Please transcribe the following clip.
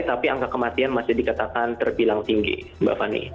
tapi angka kematian masih dikatakan terbilang tinggi mbak fani